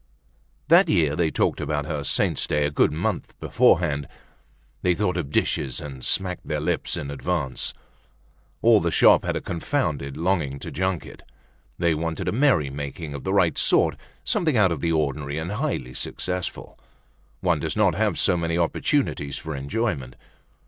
That year they talked about her saint's day a good month beforehand. They thought of dishes and smacked their lips in advance. All the shop had a confounded longing to junket. They wanted a merry making of the right sort—something out of the ordinary and highly successful. One does not have so many opportunities for enjoyment.